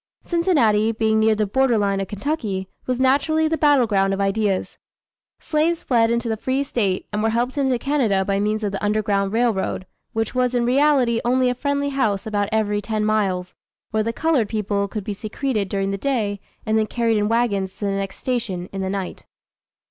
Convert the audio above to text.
Cincinnati being near the border line of Kentucky, was naturally the battle ground of ideas. Slaves fled into the free State and were helped into Canada by means of the "Underground Railroad," which was in reality only a friendly house about every ten miles, where the colored people could be secreted during the day, and then carried in wagons to the next "station" in the night.